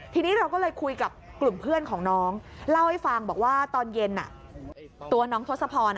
ทีนี้เราก็เลยคุยกับกลุ่มเพื่อนของน้องเล่าให้ฟังบอกว่าตอนเย็นตัวน้องทศพร